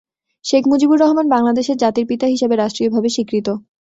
শেখ মুজিবুর রহমান বাংলাদেশের জাতির পিতা হিসাবে রাষ্ট্রীয়ভাবে স্বীকৃত।